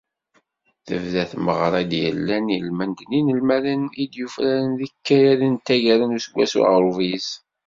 Tebda tmeɣra i d-yellan ilmend n yinelmaden i d-yufraren deg yikayaden n taggara n useggas aɣurbiz.